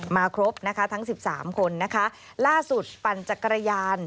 ครบนะคะทั้งสิบสามคนนะคะล่าสุดปั่นจักรยาน